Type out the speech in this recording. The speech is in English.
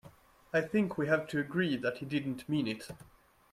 I think we have to agree that he didn't mean it.